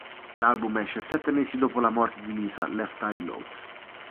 L'album esce sette mesi dopo la morte di Lisa "Left Eye" Lopes.